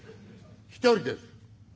「一人です」。